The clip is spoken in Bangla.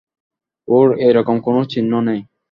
ওর এরকম কোনও চিহ্ন নেই!